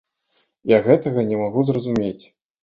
Я гэтага не магу зразумець.